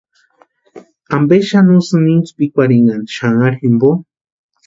¿Ampe xani usïni intspikwarhinhani xanharhu jimpo?